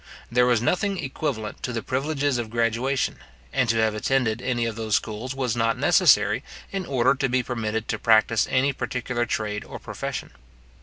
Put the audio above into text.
There was nothing equivalent to the privileges of graduation; and to have attended any of those schools was not necessary, in order to be permitted to practise any particular trade or profession.